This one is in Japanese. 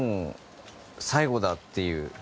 最後だっていう。